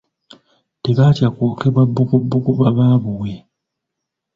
Tebaatya kwokebwa bbugubugu ba baabuwe.